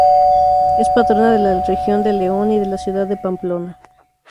Es patrona de la región de León y de la ciudad de Pamplona.